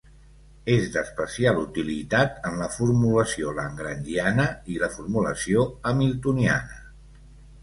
És d'especial utilitat en la formulació lagrangiana i la formulació hamiltoniana.